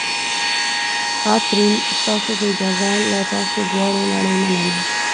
کاترین: ستاسو په اجازه، له تاسو دواړو نړۍ نړۍ مننه.